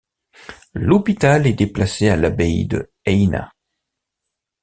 L'hôpital est déplacé à l'abbaye de Haina.